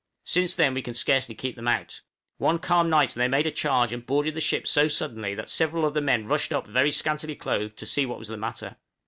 Since then we can scarcely keep them out. One calm night they made a charge, and boarded the ship so suddenly that several of the men rushed up very scantily clothed, to see what was the matter.